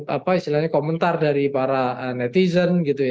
apa istilahnya komentar dari para netizen